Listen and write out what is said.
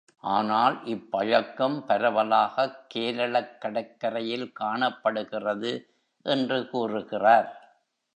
ஆனால் இப் பழக்கம் பரவலாகக் கேரளக் கடற்கரையில் காணப் படுகிறது என்று கூறுகிறார்.